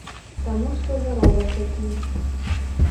Таму што заробак такі.